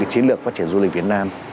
cái chiến lược phát triển du lịch việt nam